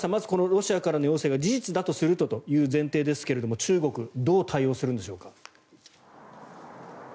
今、このロシアからの要請が事実だとするとという前提ですが中国どう対応するんでしょうか。